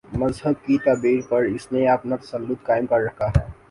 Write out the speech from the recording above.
مذہب کی تعبیر پر اس نے اپنا تسلط قائم کر رکھا ہے۔